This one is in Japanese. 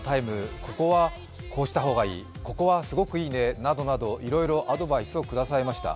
ここはこうした方がいい、ここは、すごくいいねなどなどいろいろアドバイスをくださいました。